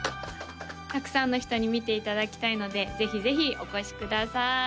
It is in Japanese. たくさんの人に見ていただきたいのでぜひぜひお越しください